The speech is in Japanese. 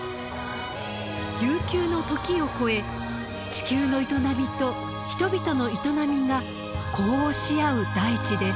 悠久の時を超え地球の営みと人々の営みが呼応し合う大地です。